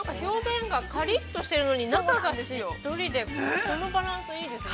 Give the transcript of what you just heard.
◆表面がカリッとしているのに、中がしっとりで、このバランス、いいですね。